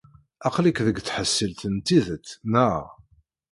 Aql-ik deg tḥeṣṣilt n tidet, neɣ?